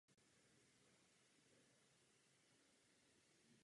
Celkové ztráty na obou stranách činily přes milion vojáků.